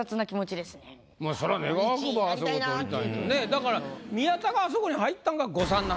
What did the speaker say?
だから宮田があそこに入ったんが誤算なんです。